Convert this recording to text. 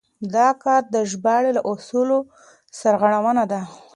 دا کار د ژباړې له اصولو سرغړونه ده.